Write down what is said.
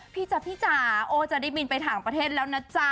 จ๊ะพี่จ๋าโอ้จะได้บินไปต่างประเทศแล้วนะจ๊ะ